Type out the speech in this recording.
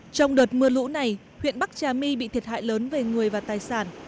trong đợt mưa lũ này huyện bắc trà my bị thiệt hại lớn về người và tài sản